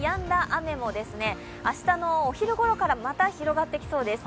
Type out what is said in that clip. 雨も明日のお昼ごろからまた広がってきそうです。